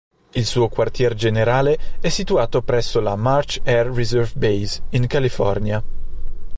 Il suo quartier generale è situato presso la March Air Reserve Base, in California.